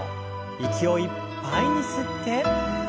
息をいっぱいに吸って。